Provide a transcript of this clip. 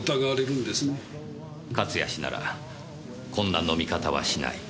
「勝谷氏ならこんな飲み方はしない」